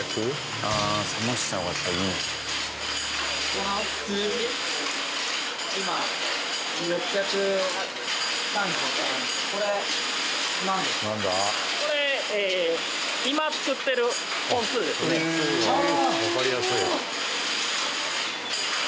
わかりやすい。